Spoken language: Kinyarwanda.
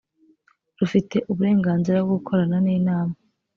rufite uburenganzira bwo gukorana n inama